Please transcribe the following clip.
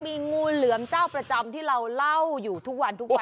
มีงูเหลือมเจ้าประจำที่เราเล่าอยู่ทุกวันทุกวัน